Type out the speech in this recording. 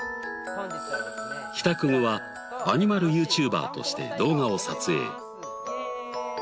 帰宅後はアニマルＹｏｕＴｕｂｅｒとして動画を撮影。